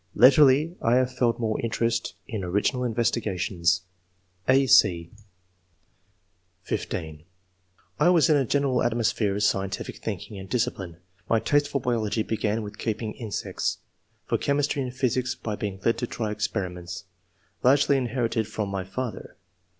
Latterly I have felt more interest in original investigations." (a, c) 172 ENGLISH MEN OF SCIENCE. [chap. (15) '* I was in a general atmosphere of scien tific thinking and discipline. My taste for biology began with keeping insects; for che mistry and physics, by being led to try experi ments. Largely inherited from my father.